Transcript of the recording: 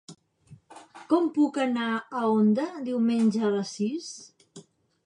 Com puc anar a Onda diumenge a les sis?